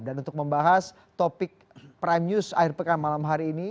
dan untuk membahas topik prime news akhir pekan malam hari ini